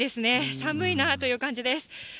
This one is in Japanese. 寒いなという感じです。